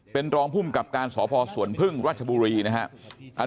เป็นรองภูมิกับการสพสวนพึ่งราชบุรีนะครับ